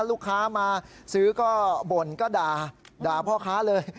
ลูกค้ามาซื้อก็บ่นก็ด่าด่าพ่อค้าเลย